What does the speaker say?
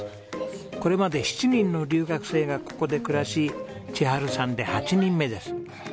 これまで７人の留学生がここで暮らし千温さんで８人目です。